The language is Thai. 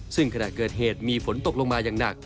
ซึ่งขณะเกิดเหตุมีฝนตกลงมาอย่างหนัก